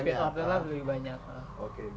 repeat order nya lebih banyak